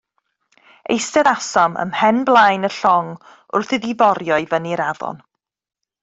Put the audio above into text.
Eisteddasom ym mhen blaen y llong wrth iddi forio i fyny'r afon.